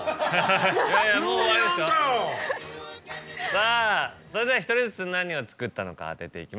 さぁそれでは１人ずつ何を作ったのか当てていきましょう。